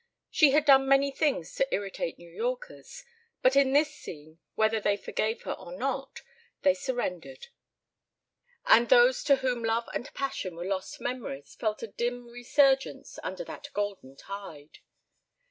She had done many things to irritate New Yorkers, but in this scene, whether they forgave her or not, they surrendered; and those to whom love and passion were lost memories felt a dim resurgence under that golden tide.